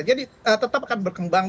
jadi tetap akan berkembang